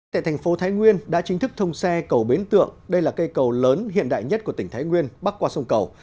tại thành phố thái nguyên đã chính thức thông xe cầu bến tượng đây là cây cầu lớn hiện đại nhất của tỉnh thái nguyên bắc qua sông cầu